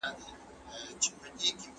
ژوند د عبرت اخیسهمېشهو ځای دی.